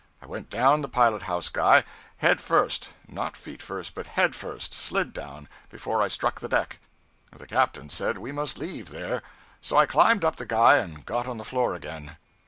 I went down the pilot house guy, head first not feet first but head first slid down before I struck the deck, the captain said we must leave there. So I climbed up the guy and got on the floor again.